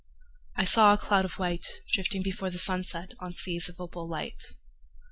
. I saw a cloud of white Drifting before the sunset On seas of opal light.